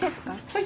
はい。